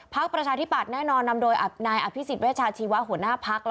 ประชาธิบัตย์แน่นอนนำโดยนายอภิษฎเวชาชีวะหัวหน้าพัก